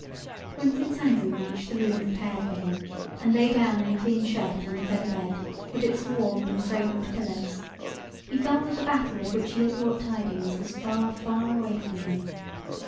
When Prince Andrew reached the room prepared for him and lay down in a clean shirt on the feather bed with its warmed and fragrant pillows, he felt that the battle of which he had brought tidings was far, far away from him.